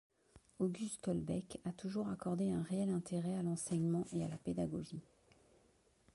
Auguste Tolbecque a toujours accordé un réel intérêt à l’enseignement et à la pédagogie.